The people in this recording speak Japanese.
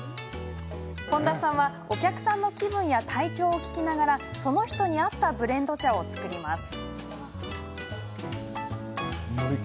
本多さんは、お客さんの気分や体調を聞きながらその人に合ったブレンド茶を作ります。